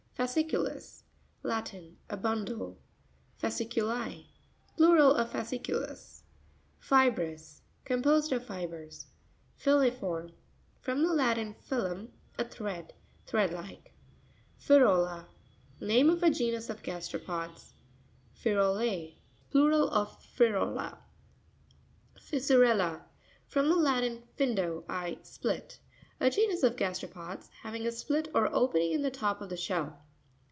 Fascr'cutus.—Latin. A bundle. Fasci'cut1.—Plural of fasciculus. Fi'srous.—Composed of fibres. Fiui'rorm.—From the Latin, filum, a thread. Thread like. Firo'La.—Name of a genus of gaste ropods (page 67). Firo'L2.—Plural of Firola. Fissurr'Lta.—From the Latin, findo, I split, A genus of gasteropods having a split or opening in the top of the shell.